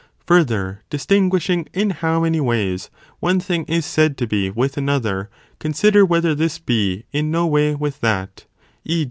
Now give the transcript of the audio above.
gation: Further, distinguishing in how many ways one thing is said to be with another, consider whether this be in no way with that; 6.